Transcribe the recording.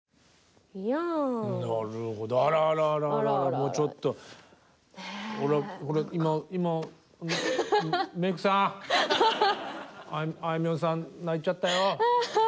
もうちょっと今メークさんあいみょんさん泣いちゃったよ。